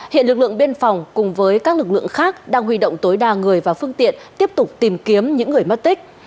hiện lực lượng biên phòng cùng với các lực lượng khác đang huy động tối đa người và phương tiện tiếp tục tìm kiếm những người mất tích